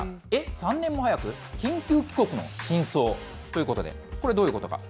３年も早く、緊急帰国の真相ということで、これ、どういうことか。